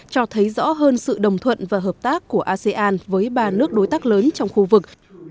cho thấy rõ hơn sự đồng thuận và hợp tác của asean với ba nước đối tác lớn trong khu vực